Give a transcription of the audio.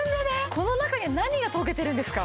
この中には何が溶けてるんですか？